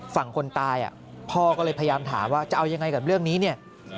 ฝั่งคนตายพ่อก็เลยพยายามถามว่าจะเอายังไงกับเรื่องนี้เนี่ย